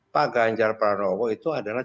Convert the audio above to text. pak ganjar pranowo itu adalah